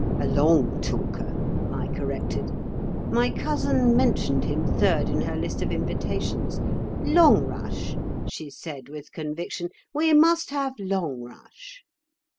"A long talker," I corrected. "My cousin mentioned him third in her list of invitations. 'Longrush,' she said with conviction, 'we must have Longrush.